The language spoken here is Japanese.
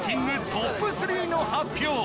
トップ３の発表